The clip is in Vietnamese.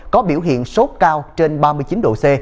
có biểu hiện sốt cao trên ba mươi chín độ c